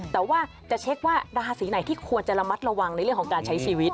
แต่ว่าจะเช็คว่าราศีไหนที่ควรจะระมัดระวังในเรื่องของการใช้ชีวิต